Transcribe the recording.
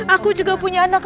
aku juga punya anak